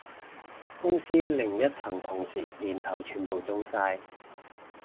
公司另一層同事年頭全部中晒